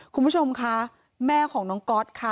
คุณผู้ชมคะแม่ของน้องก๊อตค่ะ